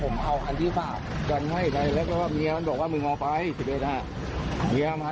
คนโดนยิงนะไม่วิ่งเหรอแล้วผมพร้อมเอาเพราะมันมีคนนัดผมกันอย่างนั้น